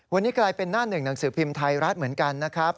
วันนี้กลายเป็นหน้าหนึ่งหนังสือพิมพ์ไทยรัฐเหมือนกันนะครับ